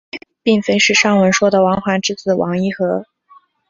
并非是上文说的王桓之子王尹和。